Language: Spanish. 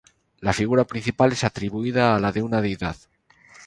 La figura principal es atribuida a la de una deidad.